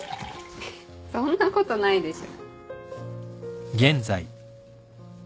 そんなことないでしょ